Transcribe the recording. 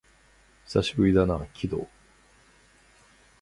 久しぶりだな、鬼道